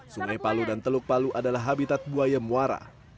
sungai palu dan teluk palu adalah habitat buaya muara